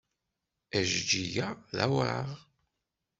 Ajeǧǧig-a d awraɣ.